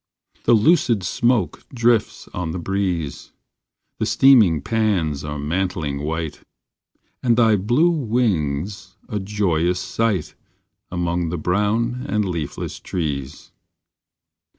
The lucid smoke drifts on the breeze, The steaming pans are mantling white, And thy blue wing s a joyous sight, Among the brown and leafless trees.